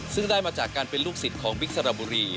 ซึ่งได้มาจากการเป็นลูกศิษย์ของบิ๊กสระบุรี